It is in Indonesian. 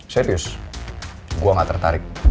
serius gue gak tertarik